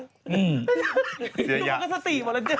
ลูกลูกข้าสติหมดแล้วเจ้า